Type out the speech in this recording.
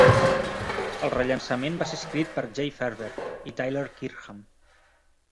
El rellançament va ser escrit per Jay Faerber i Tyler Kirkham.